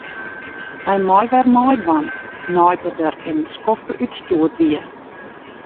Hy mei wer meidwaan nei't er der in skoftke útstjoerd wie.